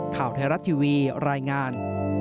ข่าวไทยรัฐทีวีรายงาน